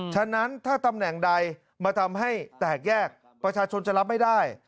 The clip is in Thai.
ฉะนั้นถ้าตำแหน่งใดมาทำให้แตกแยกประชาชนจะรับไม่ได้